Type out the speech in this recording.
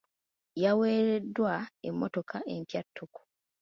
Yaweereddwa emmotoka empya ttuku.